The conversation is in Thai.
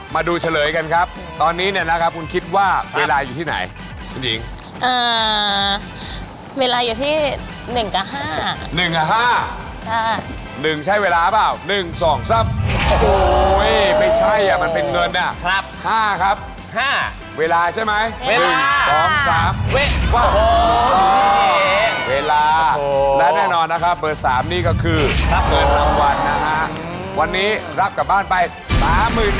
มาดูเฉลยกันครับตอนนี้เนี่ยนะครับคุณคิดว่าเวลาอยู่ที่ไหนคุณหญิงเวลาอยู่ที่๑กับ๕๑กับ๕๑ใช้เวลาเปล่า๑๒๓โอ้โหไม่ใช่อ่ะมันเป็นเงินอ่ะครับ๕ครับ๕เวลาใช่ไหมเวลาและแน่นอนนะครับเงินรางวัลนะฮะวันนี้รับกลับบ้านไปสามหมื่น